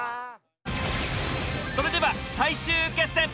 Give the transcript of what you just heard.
それでは最終決戦。